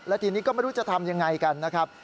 และทีนี้ก็ไม่รู้จะทำยังไงกันนะครับ